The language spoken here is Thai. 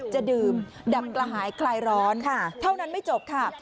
จะดื่มดับกระหายคลายร้อนเท่านั้นไม่จบค่ะ